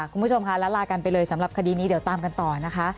คุณผู้ชมค่ะแล้วลากันไปเลยสำหรับคดีนี้เดี๋ยวตามกันต่อนะคะ